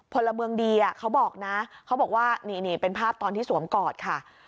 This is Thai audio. พลเมืองดีเขาบอกนะเขาบอกว่านี่เป็นภาพตอนที่สวมกอดค่ะ